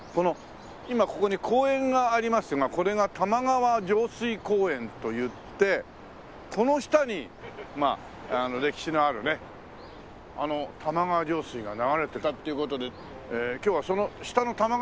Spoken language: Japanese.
今ここに公園がありますがこれが玉川上水公園といってこの下に歴史のあるねあの玉川上水が流れてたっていう事で今日はその下の玉川上水が見れるのかな？